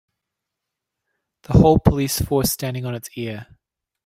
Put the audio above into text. The whole police force standing on it's ear.